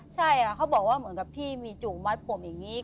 ใช่ค่ะเขาบอกว่าเหมือนกับที่มีจู่มัดผมอย่างนี้